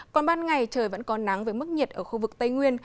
còn ban ngày trời vẫn có nắng với mức nhiệt ở khu vực tây nguyên